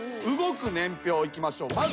動く年表いきましょう。